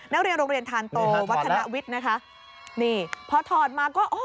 นักเรียนโรงเรียนทานโตวัฒนวิทย์นะคะนี่พอถอดมาก็โอ้